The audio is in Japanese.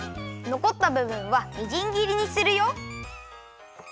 のこったぶぶんはみじんぎりにするよ。